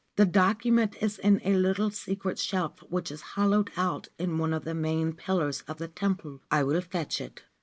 The document is in a little secret shelf which is hollowed out in one of the main pillars of the temple. I will fetch it.'